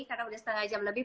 karena udah setengah jam lebih